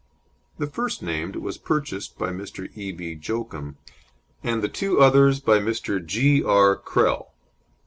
The first named was purchased by Mr. E. B. Joachim, and the two others by Mr. G. R. Krehl.